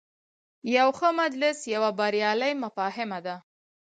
یو ښه مجلس یوه بریالۍ مفاهمه ده.